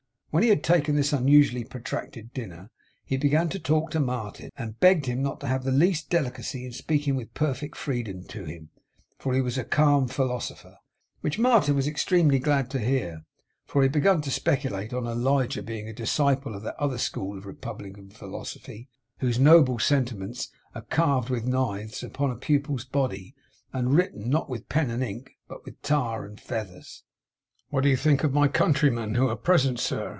When he had taken this unusually protracted dinner, he began to talk to Martin; and begged him not to have the least delicacy in speaking with perfect freedom to him, for he was a calm philosopher. Which Martin was extremely glad to hear; for he had begun to speculate on Elijah being a disciple of that other school of republican philosophy, whose noble sentiments are carved with knives upon a pupil's body, and written, not with pen and ink, but tar and feathers. 'What do you think of my countrymen who are present, sir?